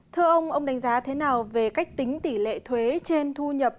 thưa ông ông đánh giá thế nào về cách tính tỷ lệ thuế trên thu nhập